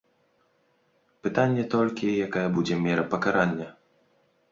Пытанне толькі, якая будзе мера пакарання.